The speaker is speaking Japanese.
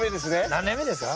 何年目ですか？